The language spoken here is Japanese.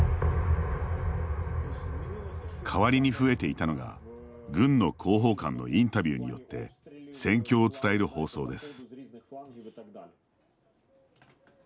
代わりに増えていたのが軍の広報官のインタビューによって戦況を伝える放送です。